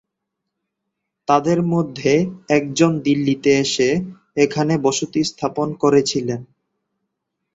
তাদের মধ্যে একজন দিল্লিতে এসে এখানে বসতি স্থাপন করেছিল।